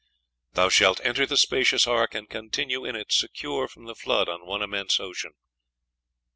"'Thou shalt enter the spacious ark, and continue in it secure from the Flood on one immense ocean.'...